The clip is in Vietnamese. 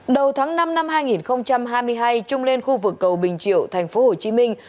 đầu tháng năm năm hai nghìn hai mươi hai trung lên khu vực cầu bình triệu thành phố hồ chí minh